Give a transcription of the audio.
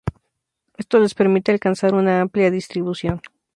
Esto les permite alcanzar una amplia distribución.